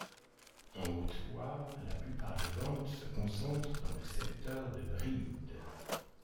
En Haute-Loire, la plupart des ventes se concentrent dans le secteur de Brioude.